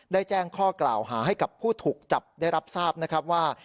แจ้งข้อกล่าวหาให้กับผู้ถูกจับได้รับทราบนะครับว่า